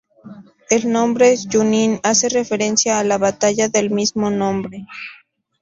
El nombre Junín hace referencia a la batalla del mismo nombre.